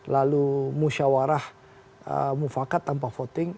lalu musyawarah mufakat tanpa voting